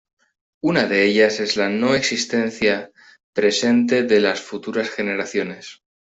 Una de ellas es la "no existencia presente de las futuras generaciones".